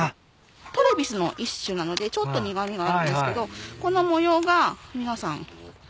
トレビスの一種なのでちょっと苦味があるんですけどこの模様が皆さん奇麗だって。